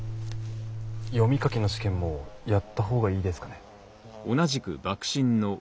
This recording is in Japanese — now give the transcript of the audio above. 読み書きの試験もやった方がいいですかね？